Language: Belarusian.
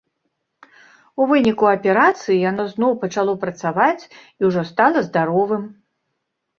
У выніку аперацыі яно зноў пачало працаваць і ўжо стала здаровым.